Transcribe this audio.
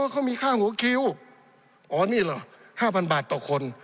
เขามีค่าหัวคิวอ๋อนี่เหรอ๕๐๐บาทต่อคน